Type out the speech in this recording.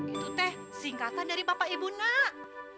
itu teh singkatan dari bapak ibu nak